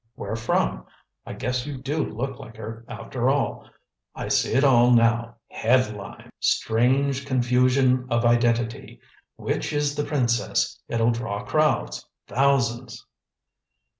Where from? I guess you do look like her, after all. I see it all now head lines! 'Strange confusion of identity! Which is the princess?' It'll draw crowds thousands."